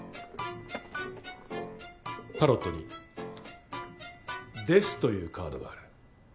タロットに「デス」というカードがある。